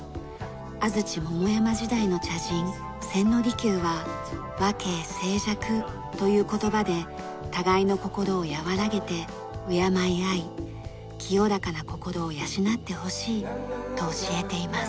安土桃山時代の茶人千利休は「和敬清寂」という言葉で互いの心を和らげて敬い合い清らかな心を養ってほしいと教えています。